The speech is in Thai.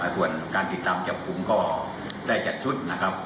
ส่วนการติดตามจับกลุ่มก็ได้จัดชุดนะครับ